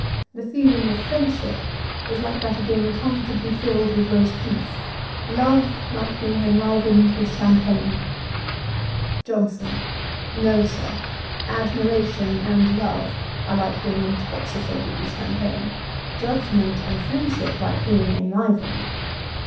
The feeling of friendship is like that of being comfortably filled with roast beef; love, like being enlivened with champagne. JOHNSON. 'No, Sir; admiration and love are like being intoxicated with champagne; judgement and friendship like being enlivened.